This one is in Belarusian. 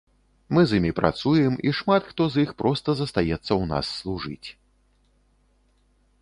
Мы з імі працуем, і шмат хто з іх проста застаецца ў нас служыць.